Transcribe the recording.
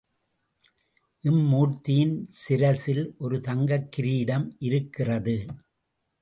இம்மூர்த்தியின் சிரஸில் ஒரு தங்கக் கீரிடம் இருக்கிறது.